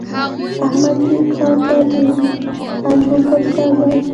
احمد دې کار ته د پنجو پر سر دی.